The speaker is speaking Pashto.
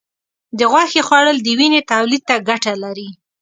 د غوښې خوړل د وینې تولید ته ګټه لري.